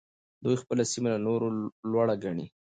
دوی خپله سيمه له نورو لوړه ګڼي.